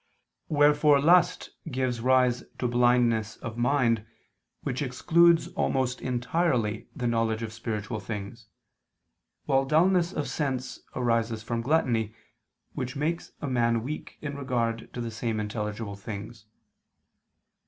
Wherefore lust gives rise to blindness of mind, which excludes almost entirely the knowledge of spiritual things, while dulness of sense arises from gluttony, which makes a man weak in regard to the same intelligible things.